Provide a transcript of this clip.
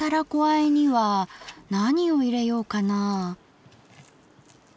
あえには何を入れようかな。